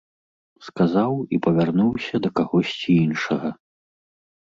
Сказаў і павярнуўся да кагосьці іншага.